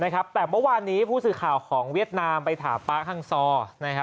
แต่เมื่อวานนี้ผู้สื่อข่าวของเวียดนามไปถามป๊าฮังซอร์